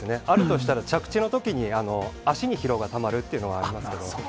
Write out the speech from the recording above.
あるとしたら着地のときに足にたまるというのはありますけれども。